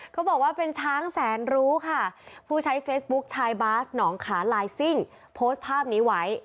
เขาบอกว่าเป็นช้างแสนรู้ค่ะผู้ใช้เฟซบุ๊คชายบาสหนองขาลายซิ่งโพสต์ภาพนี้ไว้